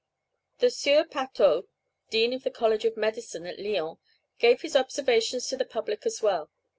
The Sieur Pauthot, Dean of the College of Medicine at Lyons, gave his observations to the public as well.